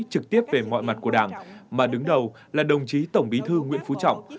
trực tiếp về mọi mặt của đảng mà đứng đầu là đồng chí tổng bí thư nguyễn phú trọng